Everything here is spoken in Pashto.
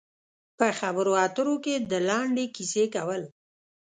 په خبرو اترو کې د لنډې کیسې کول.